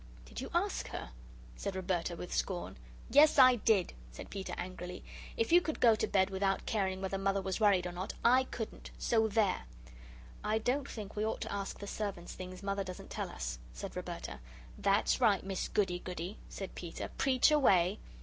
"Did you ASK her?" said Roberta, with scorn. "Yes, I did!" said Peter, angrily. "If you could go to bed without caring whether Mother was worried or not, I couldn't. So there." "I don't think we ought to ask the servants things Mother doesn't tell us," said Roberta. "That's right, Miss Goody goody," said Peter, "preach away."